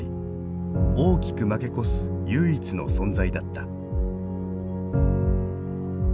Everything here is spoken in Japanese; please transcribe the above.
大きく負け越す唯一の存在だった。